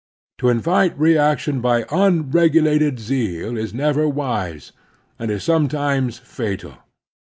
To invite reaction by tmregulated zeal is never wise, and is sometimes fatal.